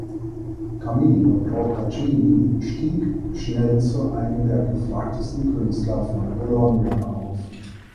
Camillo Procaccini stieg schnell zu einem der gefragtesten Künstler von Bologna auf.